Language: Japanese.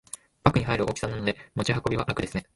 バッグに入る大きさなので持ち運びは楽ですね